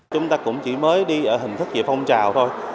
chúng ta cũng chỉ mới đi ở hình thức về phong trào thôi